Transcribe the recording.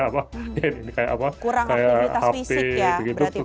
kurang aktivitas fisik ya berarti prof